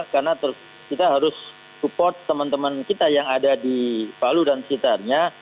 karena kita harus support teman teman kita yang ada di palu dan sekitarnya